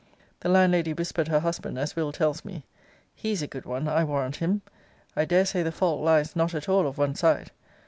The landlady whispered her husband, as Will. tells me, He's a good one, I warrant him I dare say the fault lies not at all of one side.